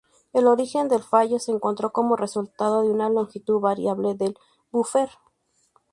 El origen del fallo se encontró como resultado de una longitud variable del buffer.